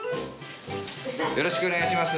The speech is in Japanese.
よろしくお願いします。